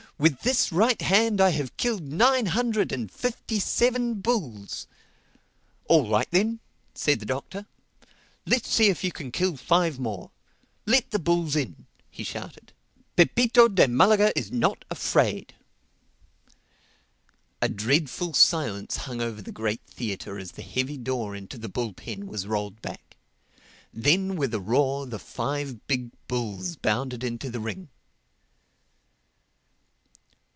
With this right hand I have killed nine hundred and fifty seven bulls." "All right then," said the Doctor, "let us see if you can kill five more. Let the bulls in!" he shouted. "Pepito de Malaga is not afraid." A dreadful silence hung over the great theatre as the heavy door into the bull pen was rolled back. Then with a roar the five big bulls bounded into the ring.